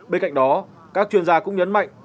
bên cạnh đó các chuyên gia cũng nhấn mạnh